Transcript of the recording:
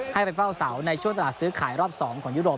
ให้ไปเฝ้าเสาในช่วงตลาดซื้อขายรอบ๒ของยุโรป